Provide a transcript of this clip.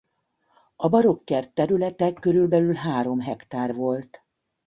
A barokk kert területe körülbelül három hektár volt.